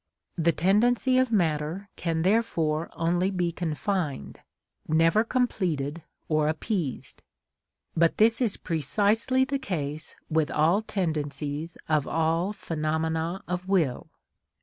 The tendency of matter can therefore only be confined, never completed or appeased. But this is precisely the case with all tendencies of all phenomena of will.